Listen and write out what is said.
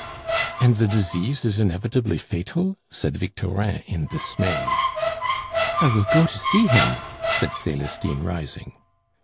"And the disease is inevitably fatal?" said Victorin in dismay. "I will go to see him," said Celestine, rising.